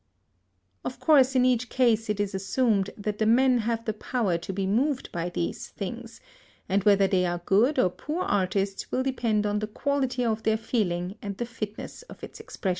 Of course in each case it is assumed that the men have the power to be moved by these things, and whether they are good or poor artists will depend on the quality of their feeling and the fitness of its expression.